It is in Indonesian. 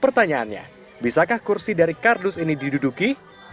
pertanyaannya bisakah kursi dari kardus ini diduduki